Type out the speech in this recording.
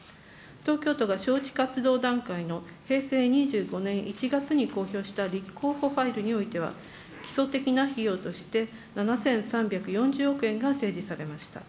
東京都が招致活動段階の平成２５年１月に公表した立候補ファイルにおいては、基礎的な費用として、７３４０億円が提示されました。